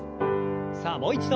さあもう一度。